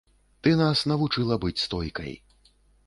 Ты нас навучыла быць стойкай.